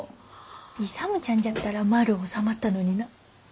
勇ちゃんじゃったら丸う収まったのにな。